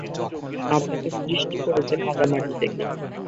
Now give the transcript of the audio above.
আর তাকে সৃষ্টি করেছ কাদা মাটি থেকে।